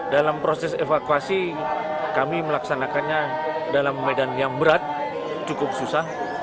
dalam proses evakuasi kami melaksanakannya dalam medan yang berat cukup susah